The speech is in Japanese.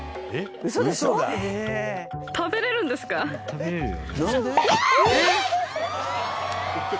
食べれるよ。